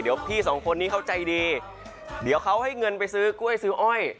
เดี๋ยวพี่สองคนนี้เขาใจดีเดี๋ยวเขาให้เงินไปซื้อกล้วยซื้ออ้อย